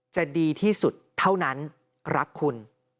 จะดีที่สุดเท่านั้นรักคุณ